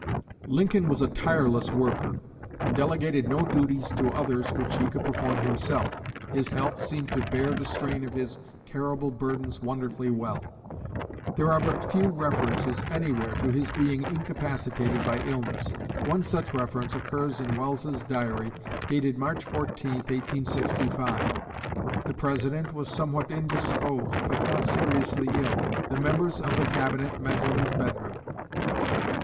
Lincoln was a tireless worker, and delegated no duties to others which he could perform himself. His health seemed to bear the strain of his terrible burdens wonderfully well. There are but few references anywhere to his being incapacitated by illness. One such reference occurs in Welles's Diary, dated March 14, 1865: "The President was somewhat indisposed, but not seriously ill. The members [of the Cabinet] met in his bedroom."